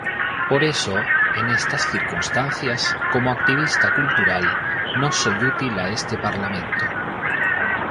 Por eso, en estas circunstancias, como activista cultural, no soy útil a este parlamento..."".